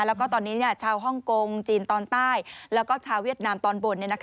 แล้วก็ตอนนี้ชาวฮ่องกงจีนตอนใต้แล้วก็ชาวเวียดนามตอนบน